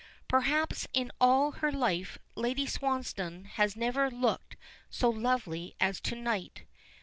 Perhaps in all her life Lady Swansdown has never looked so lovely as to night.